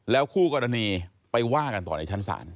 คู่กรณีไปว่ากันต่อในชั้นศาล